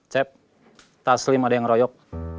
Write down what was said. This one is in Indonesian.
cep taslim ada yang royok